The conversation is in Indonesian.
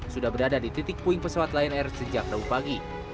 sudah berada di titik puing pesawat lion air sejak rabu pagi